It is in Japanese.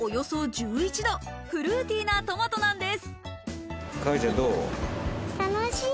およそ１１度、フルーティーなトマトなんです。